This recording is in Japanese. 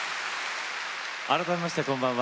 改めましてこんばんは。